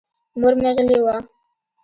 مور مې غلې وه.